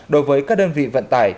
đối với các đơn vị vận tải